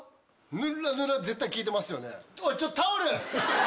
ヌラヌラ絶対効いてますよね。